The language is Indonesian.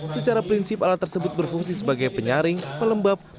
secara prinsip alat tersebut berfungsi sebagai penyaring pelembab